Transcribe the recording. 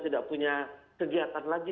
tidak punya kegiatan lagi